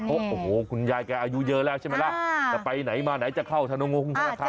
โอ้โหคุณยายแกอายุเยอะแล้วใช่ไหมล่ะจะไปไหนมาไหนจะเข้าธนงงธนาคาร